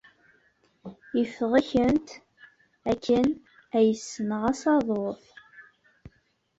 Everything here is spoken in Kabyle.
Ifeɣ-kent akken ay ssneɣ asaḍuf.